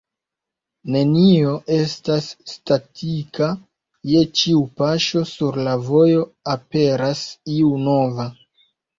Nenio estas statika, je ĉiu paŝo sur la vojo aperas iu nova.